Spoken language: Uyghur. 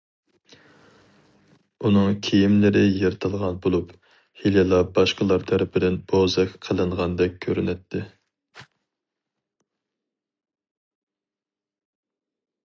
ئۇنىڭ كىيىملىرى يىرتىلغان بولۇپ، ھېلىلا باشقىلار تەرىپىدىن بوزەك قىلىنغاندەك كۆرۈنەتتى.